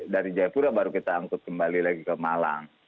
dari jayapura baru kita angkut kembali lagi ke malang